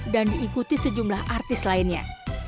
dan diikuti sejumlah artis lainnya